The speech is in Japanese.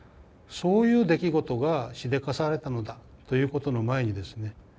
そういう出来事がしでかされたのだということの前にですね